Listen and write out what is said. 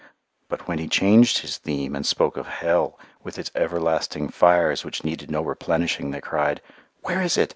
But when he changed his theme and spoke of hell, with its everlasting fires which needed no replenishing, they cried, "Where is it?